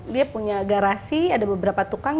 dia punya garasi ada beberapa tukang